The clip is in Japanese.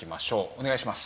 お願いします。